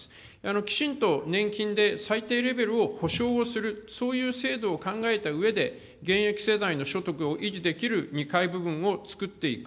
きちんと年金で最低レベルを保障する、そういう制度を考えたうえで、現役世代の所得を維持できる２階部分を作っていく。